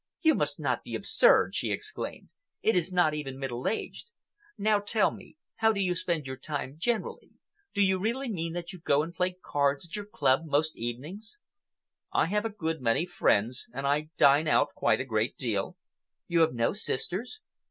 "You must not be absurd!" she exclaimed. "It is not even middle aged. Now tell me—how do you spend your time generally? Do you really mean that you go and play cards at your club most evenings?" "I have a good many friends, and I dine out quite a great deal." "You have no sisters?"